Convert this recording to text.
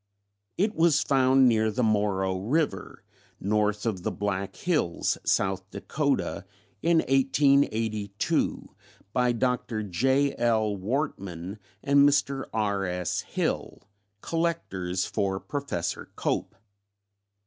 It was found near the Moreau River, north of the Black Hills, South Dakota, in 1882, by Dr. J.L. Wortman and Mr. R.S. Hill, collectors for Professor Cope.